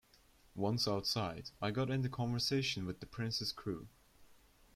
Once outside I got into conversation with the Prince's crew.